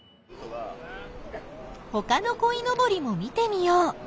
ほかのこいのぼりも見てみよう！